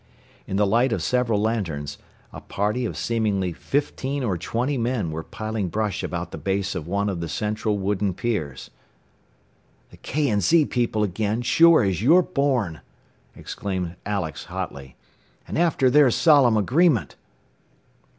In the light of several lanterns a party of seemingly fifteen or twenty men were piling brush about the base of one of the central wooden piers. "The K. & Z. people again, sure as you're born!" exclaimed Alex hotly. "And after their solemn agreement!"